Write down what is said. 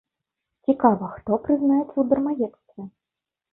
Цікава, хто прызнаецца ў дармаедстве?